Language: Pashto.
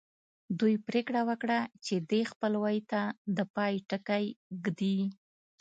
دوی پرېکړه وکړه چې دې خپلوۍ ته د پای ټکی ږدي